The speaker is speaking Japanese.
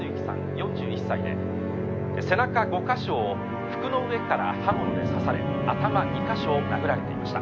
４１歳で背中５か所を服の上から刃物で刺され頭２か所を殴られていました」